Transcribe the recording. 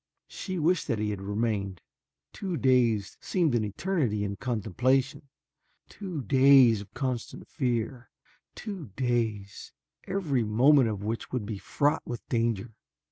She wished that he had remained two days seemed an eternity in contemplation two days of constant fear, two days, every moment of which would be fraught with danger.